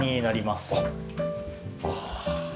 ああ。